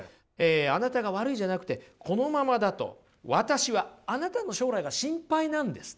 あなたが悪いじゃなくてこのままだと私はあなたの将来が心配なんです。